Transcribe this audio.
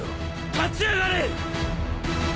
立ち上がれ！